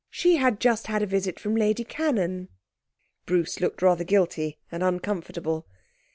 She had just had a visit from Lady Cannon.' Bruce looked rather guilty and uncomfortable.